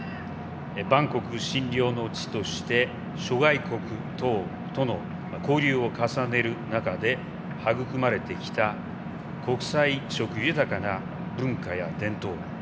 万国津梁の地として諸外国等との交流を重ねる中で育まれてきた国際色豊かな文化や伝統。